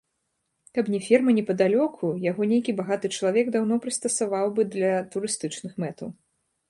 Каб не ферма непадалёку, яго нейкі багаты чалавек даўно прыстасаваў бы для турыстычных мэтаў.